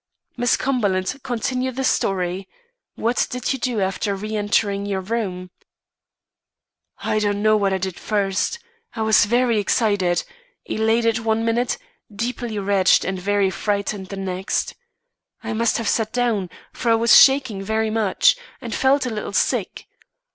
"Miss Cumberland, continue the story. What did you do after re entering your room?" "I don't know what I did first. I was very excited elated one minute, deeply wretched and very frightened the next. I must have sat down; for I was shaking very much, and felt a little sick.